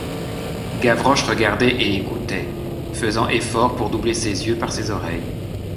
Gavroche regardait et écoutait, faisant effort pour doubler ses yeux par ses oreilles.